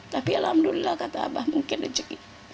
tapi alhamdulillah kata abah mungkin rezeki